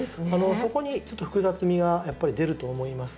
そこにちょっと複雑みがやっぱり出ると思います。